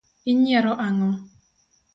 Inyiero ang’o?